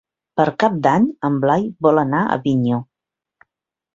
Per Cap d'Any en Blai vol anar a Avinyó.